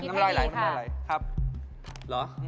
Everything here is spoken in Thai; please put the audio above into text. ไม่ได้รอยไหล